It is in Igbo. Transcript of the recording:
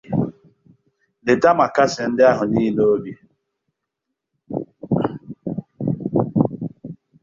leta ma kasie ndị ahụ niile